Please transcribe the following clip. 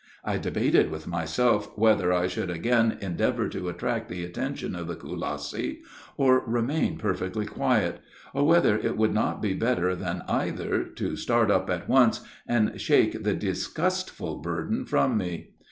I debated with myself whether I should again endeavor to attract the attention of the Kulassi, or remain perfectly quiet; or whether it would not be better than either to start up at once and shake the disgustful burden from me.